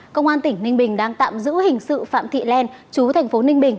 công an tỉnh ninh bình đang tạm giữ hình sự phạm thị len chú thành phố ninh bình